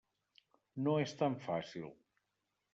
No és tan fàcil.